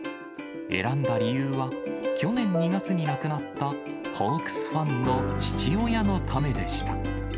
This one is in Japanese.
選んだ理由は、去年２月に亡くなった、ホークスファンの父親のためでした。